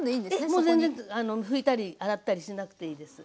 もう全然拭いたり洗ったりしなくていいです。